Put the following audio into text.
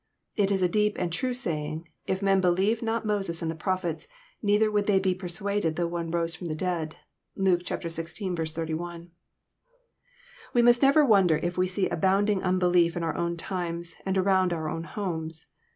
It is a deep and true saying, ^* If men believe not Moses and the Prophets, neither would they be persuaded though one rose from the dead." (Luke xvi. 31.) We must never wonder if we see abounding unbelief in our own times, and around our own homes.